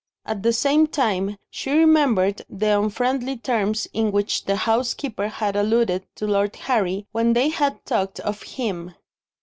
At the same time, she remembered the unfriendly terms in which the housekeeper had alluded to Lord Harry, when they had talked of him.